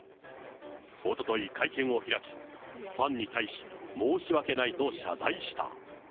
おととい会見を開き、ファンに対し、申し訳ないと謝罪した。